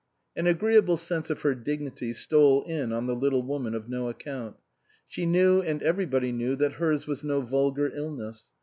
An agreeable sense of her dignity stole in on the little woman of no account. She knew and everybody knew that hers was no vulgar illness.